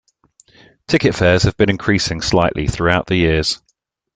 Ticket fares have been increasing slightly throughout the years.